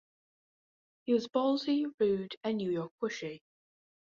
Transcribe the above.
He was ballsy, rude, and New York pushy.